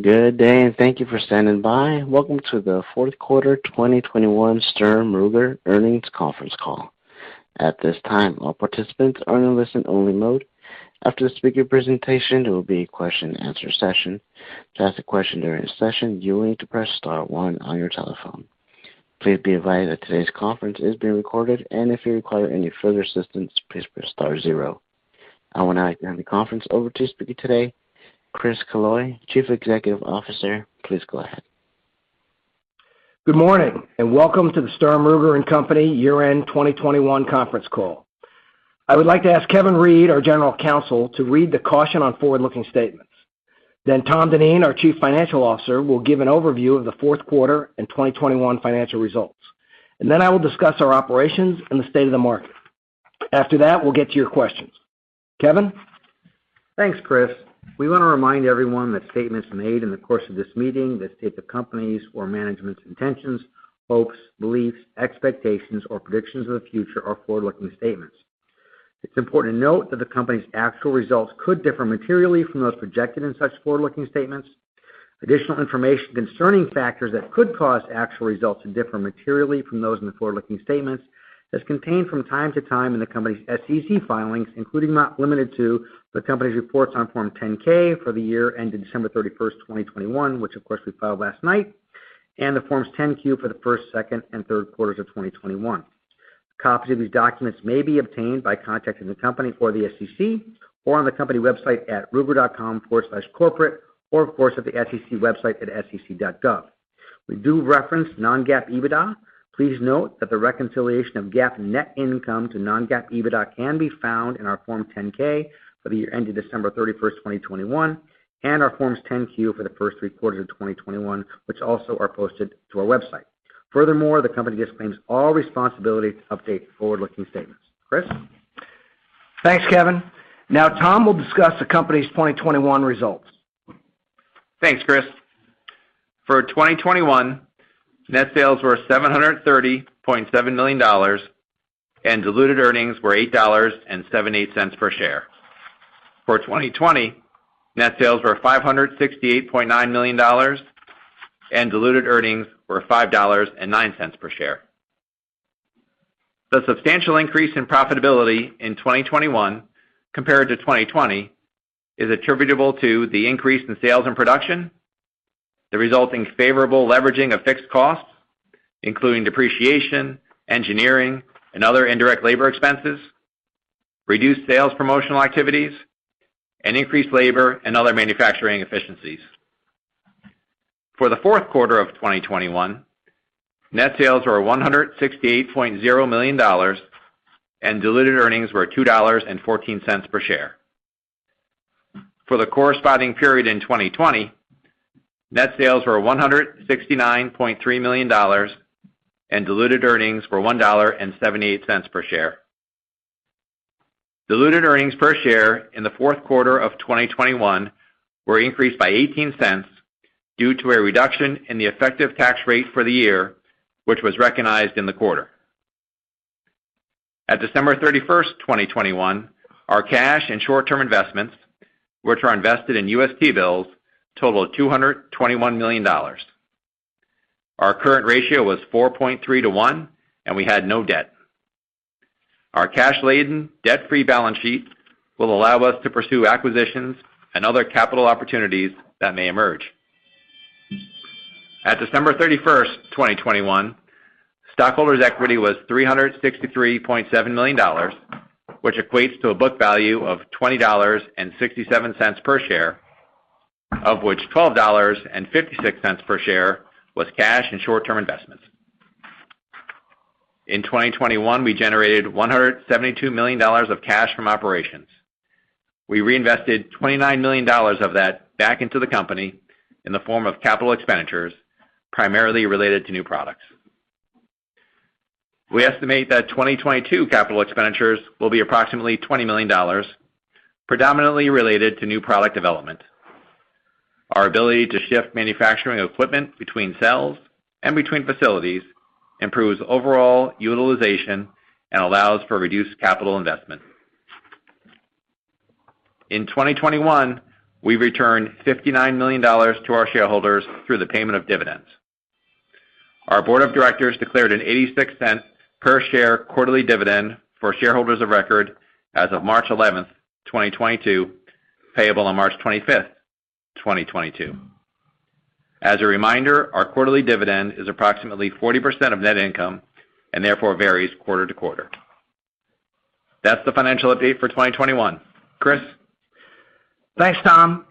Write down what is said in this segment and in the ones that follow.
Good day, and thank you for standing by. Welcome to the fourth quarter 2021 Sturm, Ruger earnings conference call. At this time, all participants are in listen only mode. After the speaker presentation, there will be a question and answer session. To ask a question during the session, you will need to press star one on your telephone. Please be advised that today's conference is being recorded, and if you require any further assistance, please press star zero. I want to hand the conference over to speaker today, Chris Killoy, Chief Executive Officer. Please go ahead. Good morning, and welcome to the Sturm, Ruger & Company year-end 2021 conference call. I would like to ask Kevin Reid, our General Counsel, to read the caution on forward-looking statements. Tom Dineen, our Chief Financial Officer, will give an overview of the fourth quarter and 2021 financial results. I will discuss our operations and the state of the market. After that, we'll get to your questions. Kevin. Thanks, Chris. We want to remind everyone that statements made in the course of this meeting that state the company's or management's intentions, hopes, beliefs, expectations or predictions of the future are forward-looking statements. It's important to note that the company's actual results could differ materially from those projected in such forward-looking statements. Additional information concerning factors that could cause actual results to differ materially from those in the forward-looking statements is contained from time to time in the company's SEC filings, including, but not limited to, the company's reports on Form 10-K for the year ended December 31, 2021, which of course we filed last night, and the Forms 10-Q for the first, second and third quarters of 2021. Copies of these documents may be obtained by contacting the company or the SEC, or on the company website at ruger.com/corporate, or of course, at the SEC website at sec.gov. We do reference non-GAAP EBITDA. Please note that the reconciliation of GAAP net income to non-GAAP EBITDA can be found in our Form 10-K for the year ended December 31, 2021, and our Forms 10-Q for the first three quarters of 2021, which also are posted to our website. Furthermore, the company disclaims all responsibility to update forward-looking statements. Chris. Thanks, Kevin. Now Tom will discuss the company's 2021 results. Thanks, Chris. For 2021, net sales were $730.7 million and diluted earnings were $8.78 per share. For 2020, net sales were $568.9 million and diluted earnings were $5.09 per share. The substantial increase in profitability in 2021 compared to 2020 is attributable to the increase in sales and production, the resulting favorable leveraging of fixed costs, including depreciation, engineering, and other indirect labor expenses, reduced sales promotional activities, and increased labor and other manufacturing efficiencies. For the fourth quarter of 2021, net sales were $168.0 million and diluted earnings were $2.14 per share. For the corresponding period in 2020, net sales were $169.3 million and diluted earnings were $1.78 per share. Diluted earnings per share in the fourth quarter of 2021 were increased by $0.18 due to a reduction in the effective tax rate for the year, which was recognized in the quarter. At December 31, 2021, our cash and short-term investments, which are invested in U.S. T-Bills, totaled $221 million. Our current ratio was 43 to 1, and we had no debt. Our cash-laden, debt-free balance sheet will allow us to pursue acquisitions and other capital opportunities that may emerge. At December 31, 2021, stockholders' equity was $363.7 million, which equates to a book value of $20.67 per share, of which $12.56 per share was cash and short-term investments. In 2021, we generated $172 million of cash from operations. We reinvested $29 million of that back into the company in the form of capital expenditures, primarily related to new products. We estimate that 2022 capital expenditures will be approximately $20 million, predominantly related to new product development. Our ability to shift manufacturing equipment between cells and between facilities improves overall utilization and allows for reduced capital investment. In 2021, we returned $59 million to our shareholders through the payment of dividends. Our board of directors declared a $0.86 per share quarterly dividend for shareholders of record as of March 11, 2022, payable on March 25, 2022. As a reminder, our quarterly dividend is approximately 40% of net income and therefore varies quarter to quarter. That's the financial update for 2021. Chris. Thanks, Tom.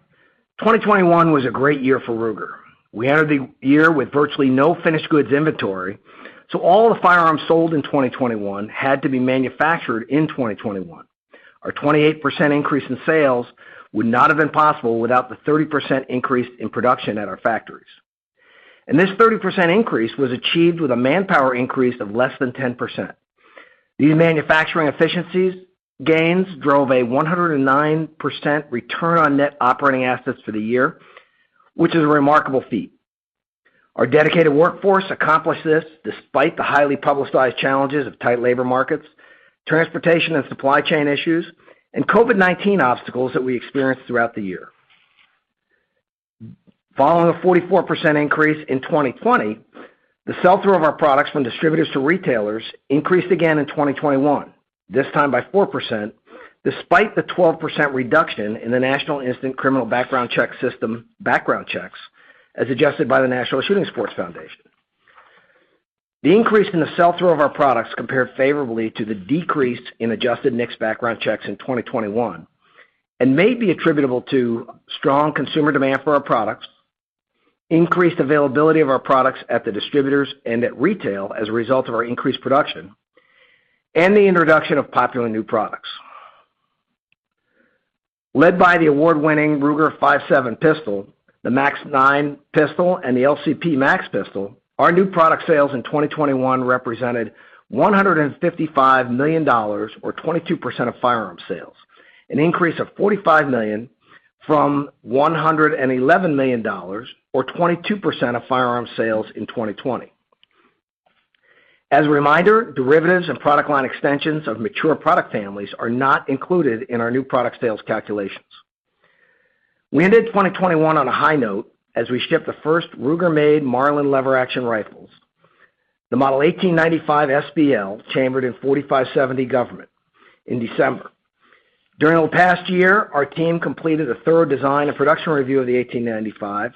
2021 was a great year for Ruger. We entered the year with virtually no finished goods inventory, so all the firearms sold in 2021 had to be manufactured in 2021. Our 28% increase in sales would not have been possible without the 30% increase in production at our factories. This 30% increase was achieved with a manpower increase of less than 10%. These manufacturing efficiencies gains drove a 109% return on net operating assets for the year, which is a remarkable feat. Our dedicated workforce accomplished this despite the highly publicized challenges of tight labor markets, transportation and supply chain issues, and COVID-19 obstacles that we experienced throughout the year. Following a 44% increase in 2020, the sell-through of our products from distributors to retailers increased again in 2021, this time by 4%, despite the 12% reduction in the National Instant Criminal Background Check System background checks, as adjusted by the National Shooting Sports Foundation. The increase in the sell-through of our products compared favorably to the decrease in adjusted NICS background checks in 2021 and may be attributable to strong consumer demand for our products, increased availability of our products at the distributors and at retail as a result of our increased production, and the introduction of popular new products. Led by the award-winning Ruger-5.7 pistol, the MAX-9 pistol, and the LCP MAX pistol, our new product sales in 2021 represented $155 million or 22% of firearm sales, an increase of $45 million from $111 million or 22% of firearm sales in 2020. As a reminder, derivatives and product line extensions of mature product families are not included in our new product sales calculations. We ended 2021 on a high note as we shipped the first Ruger-made Marlin lever-action rifles, the Model 1895 SBL chambered in .45-70 Government in December. During the past year, our team completed a thorough design and production review of the 1895,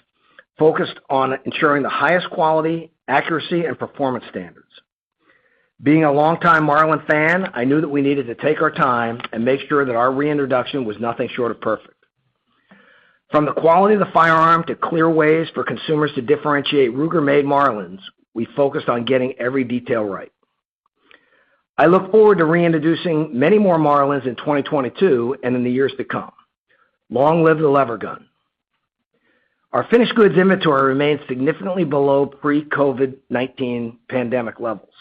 focused on ensuring the highest quality, accuracy, and performance standards. Being a longtime Marlin fan, I knew that we needed to take our time and make sure that our reintroduction was nothing short of perfect. From the quality of the firearm to clear ways for consumers to differentiate Ruger-made Marlins, we focused on getting every detail right. I look forward to reintroducing many more Marlins in 2022 and in the years to come. Long live the lever gun. Our finished goods inventory remains significantly below pre-COVID-19 pandemic levels.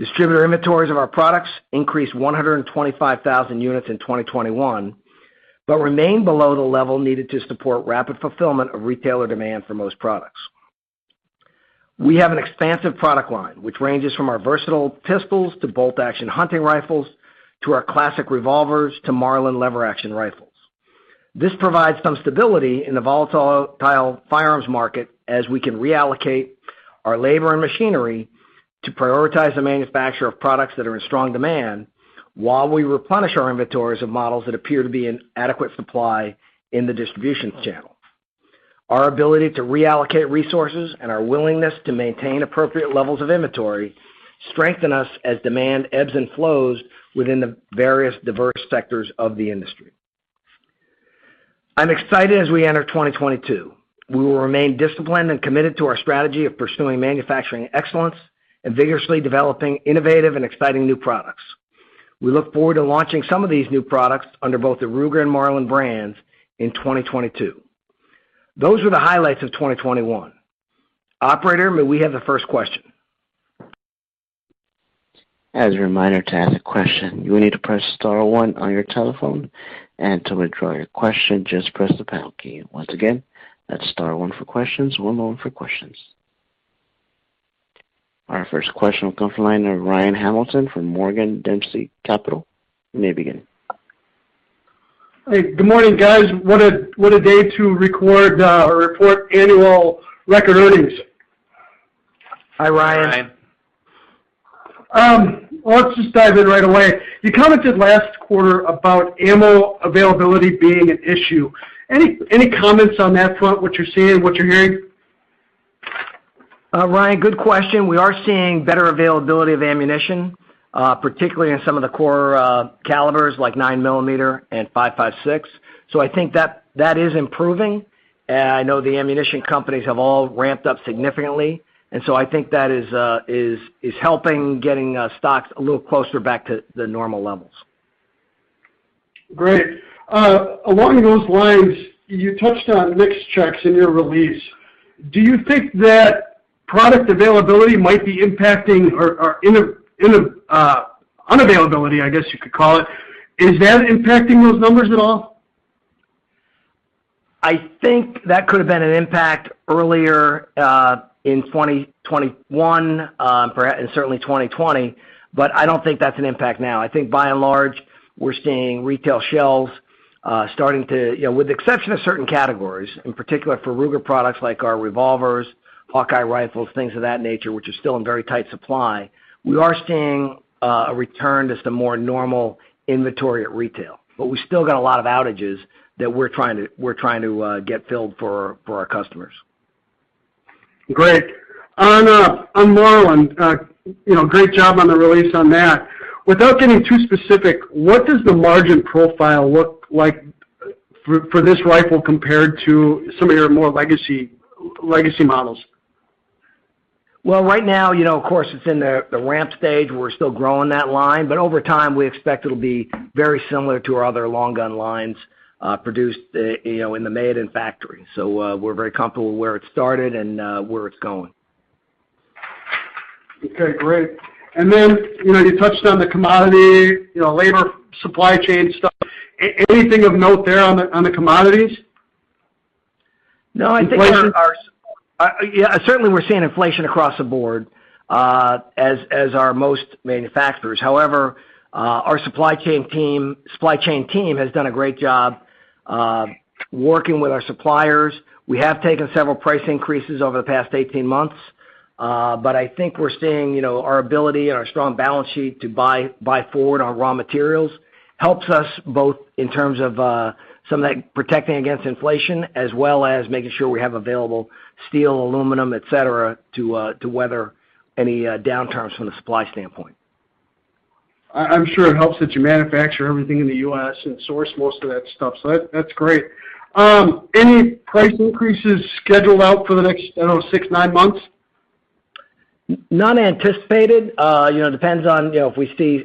Distributor inventories of our products increased 125,000 units in 2021, but remained below the level needed to support rapid fulfillment of retailer demand for most products. We have an expansive product line, which ranges from our versatile pistols to bolt action hunting rifles to our classic revolvers to Marlin lever-action rifles. This provides some stability in the volatile firearms market, as we can reallocate our labor and machinery to prioritize the manufacture of products that are in strong demand while we replenish our inventories of models that appear to be in adequate supply in the distribution channel. Our ability to reallocate resources and our willingness to maintain appropriate levels of inventory strengthen us as demand ebbs and flows within the various diverse sectors of the industry. I'm excited as we enter 2022. We will remain disciplined and committed to our strategy of pursuing manufacturing excellence and vigorously developing innovative and exciting new products. We look forward to launching some of these new products under both the Ruger and Marlin brands in 2022. Those were the highlights of 2021. Operator, may we have the first question? As a reminder, to ask a question, you will need to press star one on your telephone, and to withdraw your question, just press the pound key. Once again, that's star one for questions. One moment for questions. Our first question will come from the line of Ryan Hamilton from Morgan Dempsey Capital. You may begin. Hey, good morning, guys. What a day to record or report annual record earnings. Hi, Ryan. Ryan. Well, let's just dive in right away. You commented last quarter about ammo availability being an issue. Any comments on that front, what you're seeing, what you're hearing? Ryan, good question. We are seeing better availability of ammunition, particularly in some of the core calibers like nine millimeter and five five six. I think that is improving, and I know the ammunition companies have all ramped up significantly. I think that is helping getting stocks a little closer back to the normal levels. Great. Along those lines, you touched on NICS checks in your release. Do you think that product availability might be impacting or in a unavailability, I guess you could call it, is that impacting those numbers at all? I think that could have been an impact earlier in 2021 and certainly 2020, but I don't think that's an impact now. I think by and large, we're seeing retail shelves starting to, you know, with the exception of certain categories, in particular for Ruger products like our revolvers, Hawkeye rifles, things of that nature, which are still in very tight supply, we are seeing a return to some more normal inventory at retail. But we still got a lot of outages that we're trying to get filled for our customers. Great. On Marlin, you know, great job on the release on that. Without getting too specific, what does the margin profile look like for this rifle compared to some of your more legacy models? Well, right now, you know, of course, it's in the ramp stage. We're still growing that line. Over time, we expect it'll be very similar to our other long gun lines, produced, you know, in the Mayodan factory. We're very comfortable where it started and where it's going. Okay, great. You know, you touched on the commodity, you know, labor supply chain stuff. Anything of note there on the commodities? No, I think. Inflation. Yeah, certainly we're seeing inflation across the board, as are most manufacturers. However, our supply chain team has done a great job working with our suppliers. We have taken several price increases over the past 18 months. I think we're seeing, you know, our ability and our strong balance sheet to buy forward our raw materials helps us both in terms of some of that protecting against inflation, as well as making sure we have available steel, aluminum, et cetera, to weather any downturns from the supply standpoint. I'm sure it helps that you manufacture everything in the U.S. and source most of that stuff, so that's great. Any price increases scheduled out for the next, I don't know, six to nine months? None anticipated. You know, it depends on, you know, if we see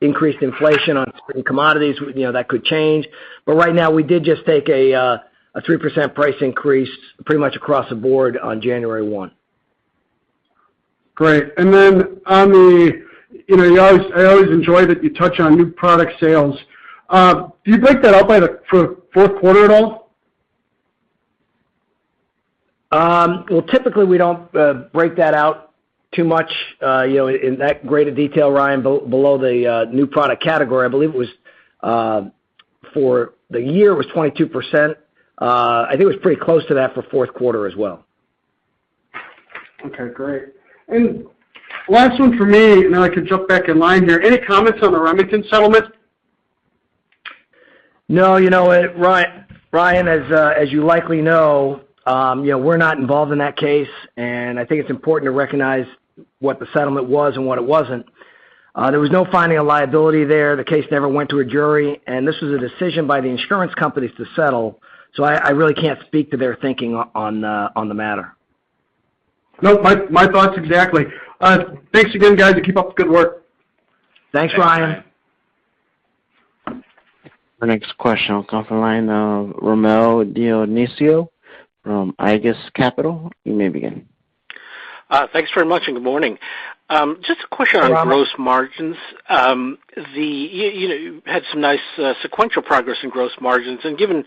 increased inflation on certain commodities, you know, that could change. Right now, we did just take a 3% price increase pretty much across the board on January 1. Great. You know, I always enjoy that you touch on new product sales. Do you break that out for fourth quarter at all? Well, typically we don't break that out too much, you know, in that great a detail, Ryan, below the new product category. I believe it was for the year 22%. I think it was pretty close to that for fourth quarter as well. Okay, great. Last one from me, and then I can jump back in line here. Any comments on the Remington settlement? No. You know what, Ryan, as you likely know, you know, we're not involved in that case, and I think it's important to recognize what the settlement was and what it wasn't. There was no finding of liability there. The case never went to a jury, and this was a decision by the insurance companies to settle. I really can't speak to their thinking on the matter. Nope. My thoughts exactly. Thanks again, guys, and keep up the good work. Thanks, Ryan. Our next question will come from the line of Rommel Dionisio from Aegis Capital. You may begin. Thanks very much, and good morning. Just a question. Hi, Rommel. On gross margins. You know, you had some nice sequential progress in gross margins. Given,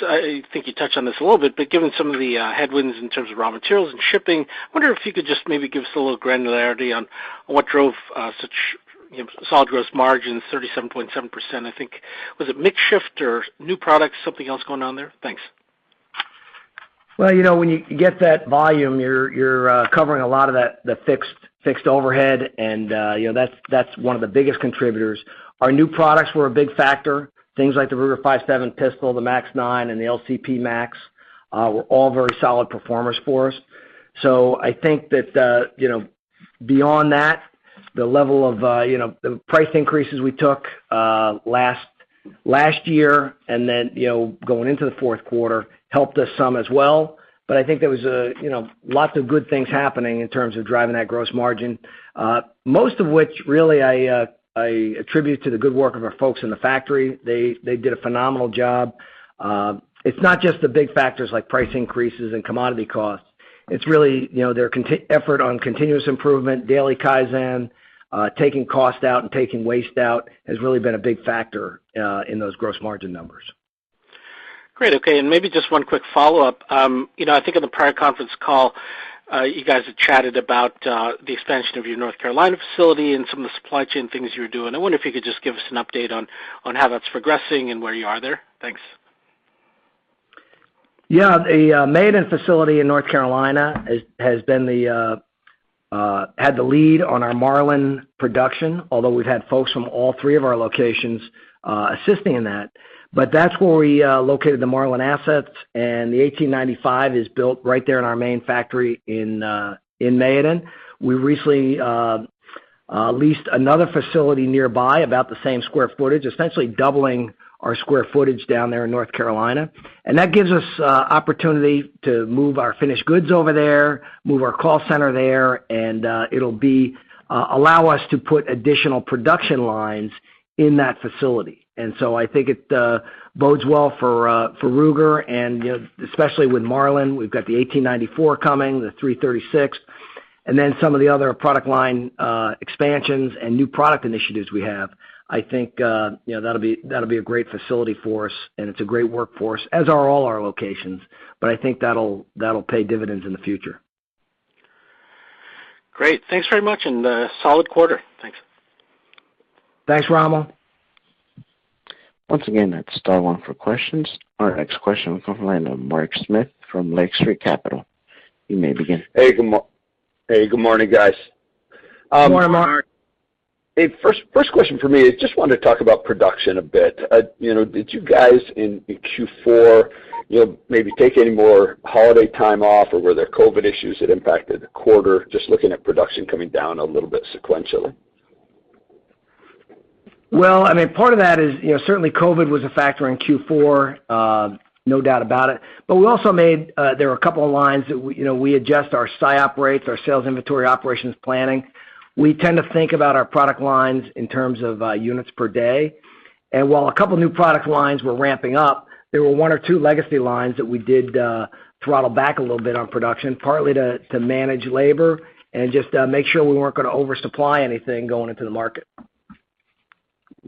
so I think you touched on this a little bit, but given some of the headwinds in terms of raw materials and shipping, I wonder if you could just maybe give us a little granularity on what drove such, you know, solid gross margin, 37.7%, I think. Was it mix shift or new products, something else going on there? Thanks. Well, you know, when you get that volume, you're covering a lot of that, the fixed overhead and, you know, that's one of the biggest contributors. Our new products were a big factor. Things like the Ruger-5.7 pistol, the MAX-9, and the LCP MAX were all very solid performers for us. I think that, you know, beyond that, the level of, you know, the price increases we took last year and then, you know, going into the fourth quarter helped us some as well. I think there was a, you know, lots of good things happening in terms of driving that gross margin, most of which really I attribute to the good work of our folks in the factory. They did a phenomenal job. It's not just the big factors like price increases and commodity costs. It's really, you know, their constant effort on continuous improvement, daily Kaizen, taking cost out and taking waste out has really been a big factor in those gross margin numbers. Great. Okay. Maybe just one quick follow-up. You know, I think in the prior conference call, you guys had chatted about the expansion of your North Carolina facility and some of the supply chain things you were doing. I wonder if you could just give us an update on how that's progressing and where you are there. Thanks. Yeah. The Mayodan facility in North Carolina has had the lead on our Marlin production, although we've had folks from all three of our locations assisting in that. That's where we located the Marlin assets, and the 1895 is built right there in our main factory in Mayodan. We recently leased another facility nearby, about the same square footage, essentially doubling our square footage down there in North Carolina. That gives us opportunity to move our finished goods over there, move our call center there, and it'll allow us to put additional production lines in that facility. I think it bodes well for Ruger and, you know, especially with Marlin. We've got the 1894 coming, the 336, and then some of the other product line expansions and new product initiatives we have. I think, you know, that'll be a great facility for us, and it's a great workforce, as are all our locations. I think that'll pay dividends in the future. Great. Thanks very much, and a solid quarter. Thanks. Thanks, Rommel. Once again, that's star one for questions. Our next question will come from the line of Mark Smith from Lake Street Capital Markets. You may begin. Hey, good morning, guys. Good morning, Mark. Hey, my first question is, I just wanted to talk about production a bit. You know, did you guys in Q4, you know, maybe take any more holiday time off, or were there COVID issues that impacted the quarter? Just looking at production coming down a little bit sequentially. Well, I mean, part of that is, you know, certainly COVID was a factor in Q4, no doubt about it. We also made. There were a couple of lines that we, you know, adjust our SIOP rates, our sales inventory operations planning. We tend to think about our product lines in terms of units per day. While a couple new product lines were ramping up, there were one or two legacy lines that we did throttle back a little bit on production, partly to manage labor and just make sure we weren't gonna oversupply anything going into the market.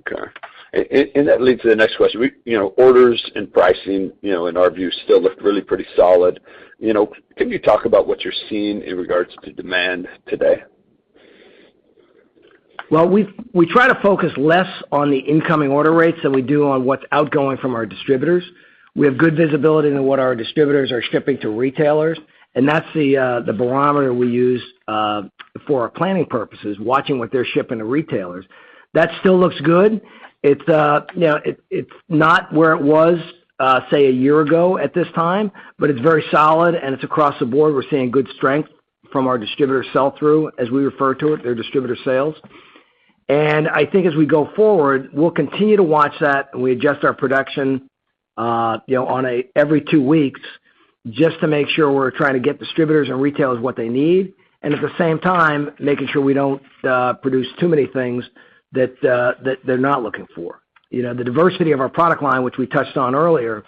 Okay. That leads to the next question. You know, orders and pricing, you know, in our view, still look really pretty solid. You know, can you talk about what you're seeing in regards to demand today? Well, we try to focus less on the incoming order rates than we do on what's outgoing from our distributors. We have good visibility into what our distributors are shipping to retailers, and that's the barometer we use for our planning purposes, watching what they're shipping to retailers. That still looks good. It's you know it's not where it was say a year ago at this time, but it's very solid and it's across the board. We're seeing good strength from our distributor sell-through, as we refer to it, their distributor sales. I think as we go forward, we'll continue to watch that and we adjust our production, you know, every two weeks just to make sure we're trying to get distributors and retailers what they need, and at the same time, making sure we don't produce too many things that they're not looking for. You know, the diversity of our product line, which we touched on earlier,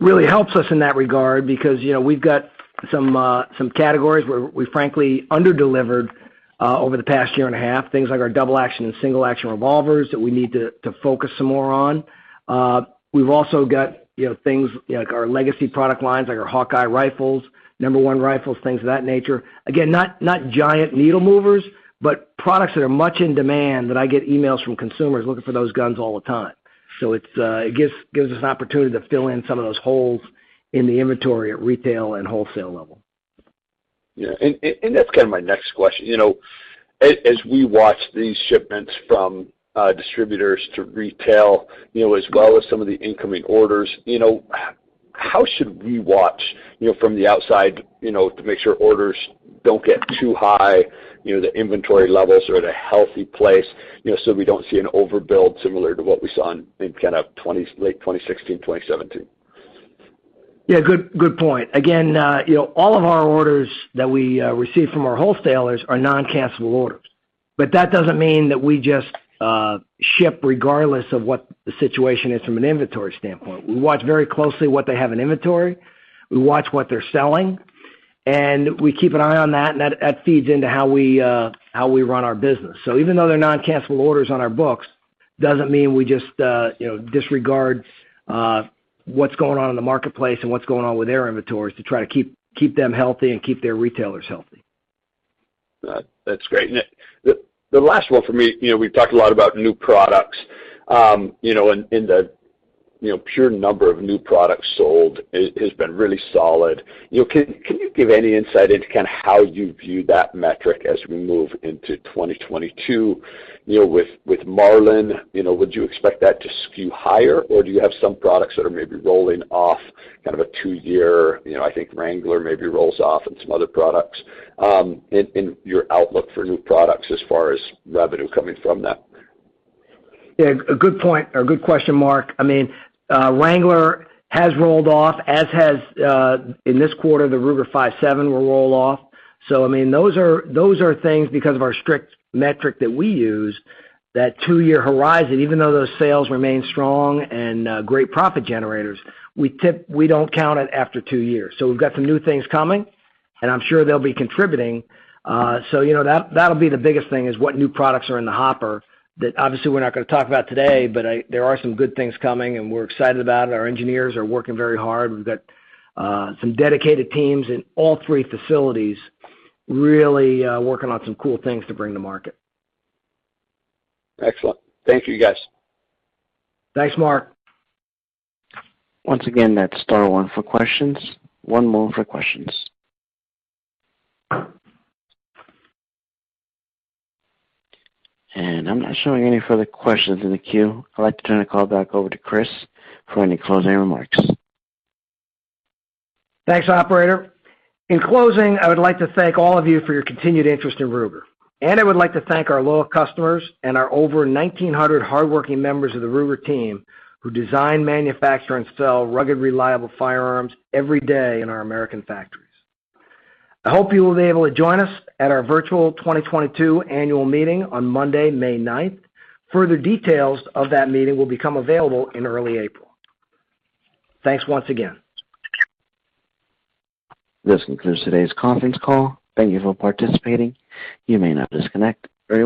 really helps us in that regard because, you know, we've got some categories where we frankly underdelivered over the past year and a half, things like our double-action and single-action revolvers that we need to focus some more on. We've also got, you know, things, you know, like our legacy product lines, like our Hawkeye rifles, No. 1 rifles, things of that nature. Again, not giant needle movers, but products that are much in demand that I get emails from consumers looking for those guns all the time. It gives us an opportunity to fill in some of those holes in the inventory at retail and wholesale level. Yeah, and that's kinda my next question. You know, as we watch these shipments from distributors to retail, you know, as well as some of the incoming orders, you know, how should we watch, you know, from the outside, you know, to make sure orders don't get too high, you know, the inventory levels are at a healthy place, you know, so we don't see an overbuild similar to what we saw in kind of late 2016, 2017? Yeah, good point. Again, you know, all of our orders that we receive from our wholesalers are non-cancellable orders. That doesn't mean that we just ship regardless of what the situation is from an inventory standpoint. We watch very closely what they have in inventory. We watch what they're selling, and we keep an eye on that, and that feeds into how we run our business. Even though they're non-cancellable orders on our books, it doesn't mean we just you know disregard what's going on in the marketplace and what's going on with their inventories to try to keep them healthy and keep their retailers healthy. That's great. The last one for me, you know, we've talked a lot about new products, you know, and the pure number of new products sold has been really solid. You know, can you give any insight into kinda how you view that metric as we move into 2022? You know, with Marlin, you know, would you expect that to skew higher, or do you have some products that are maybe rolling off kind of a two-year, you know, I think Wrangler maybe rolls off and some other products, in your outlook for new products as far as revenue coming from that? Yeah, a good point or good question, Mark. I mean, Wrangler has rolled off, as has, in this quarter, the Ruger-5.7 will roll off. I mean, those are things because of our strict metric that we use, that two-year horizon, even though those sales remain strong and, great profit generators, we don't count it after two years. We've got some new things coming, and I'm sure they'll be contributing. You know, that'll be the biggest thing is what new products are in the hopper that obviously we're not gonna talk about today, but there are some good things coming, and we're excited about it. Our engineers are working very hard. We've got some dedicated teams in all three facilities really working on some cool things to bring to market. Excellent. Thank you, guys. Thanks, Mark. Once again, that's star one for questions. One more for questions. I'm not showing any further questions in the queue. I'd like to turn the call back over to Chris for any closing remarks. Thanks, operator. In closing, I would like to thank all of you for your continued interest in Ruger, and I would like to thank our loyal customers and our over 1,900 hardworking members of the Ruger team who design, manufacture, and sell rugged, reliable firearms every day in our American factories. I hope you will be able to join us at our virtual 2022 annual meeting on Monday, May 9th. Further details of that meeting will become available in early April. Thanks once again. This concludes today's conference call. Thank you for participating. You may now disconnect.